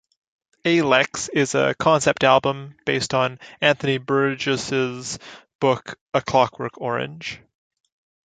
A-Lex is a concept album based on Anthony Burgess' book "A Clockwork Orange".